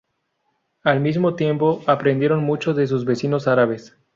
Al mismo tiempo aprendieron mucho de sus vecinos árabes.